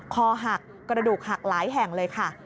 คอหักกระดูกหักหลายแห่งเลยค่ะ